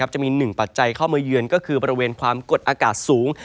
จะมีหนึ่งปัจจัยเข้ามาเยือนก็คือบริเวณความกดอากาศสูง